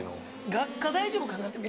学科大丈夫かな？